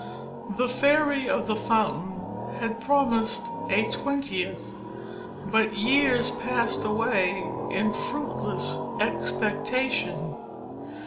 The Fairy of the Fountain had promised a twentieth; but years passed away in fruitless expectation.